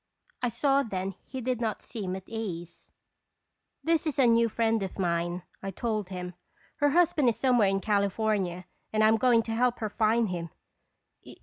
I saw then he did not seem at ease. 240 "fftlje Secottb Carir toins." " This is a new friend of mine," I told him. " Her husband is somewhere in California, and I am going to help her find him."